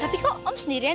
tapi kok om sendirian